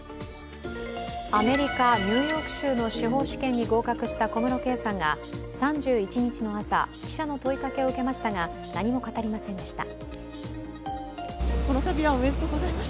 アメリカ・ニューヨーク州の司法試験に合格した小室圭さんが３１日の朝、記者の問いかけを受けましたが、何も語りませんでした。